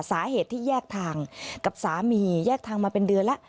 สาเหตุที่แยกทางกับสามีแยกทางมาเป็นเดือนแล้ว